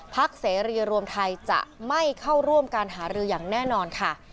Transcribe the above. เสรีรวมไทยจะไม่เข้าร่วมการหารืออย่างแน่นอนค่ะ